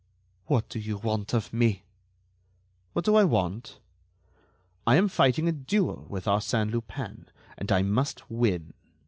"What do you want of me?" "What do I want? I am fighting a duel with Arsène Lupin, and I must win.